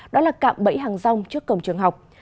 đó là cạm bẫy hàng rong trước cổng trường học